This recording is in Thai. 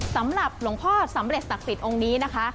สำหรับหลวงพ่อสำเร็จศักดิ์สิทธิ์องค์นี้นะคะ